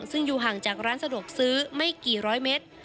ซึ่งอยู่ห่างจากร้านสะดวกซื้อไม่กี่ร้อยเมตร